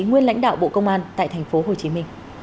nguyên lãnh đạo bộ công an tại tp hcm